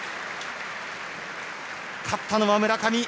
勝ったのは村上。